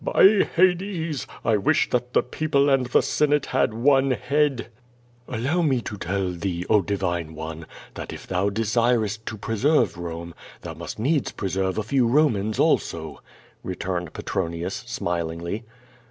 By Hades! I wish that the people and the senate had one head/* "Allow me to tell thee, oh, divine one, that if thou desirest to preserve Rome, thou must needs preserve a fe\v Romans also," returned Petronius, smilingly.